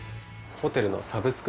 ホテルのサブスク？